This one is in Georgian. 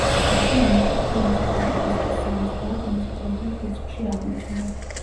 მაშინ მატათა მოციქული ქრისტეს სამოცდაათ მოციქულთა რიცხვში აღმოჩნდა.